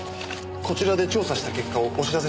こちらで調査した結果をお知らせしました。